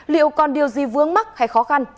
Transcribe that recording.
liệu còn điều gì vướng mắc hay khó khăn